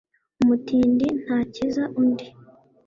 umutindi ntakiza undi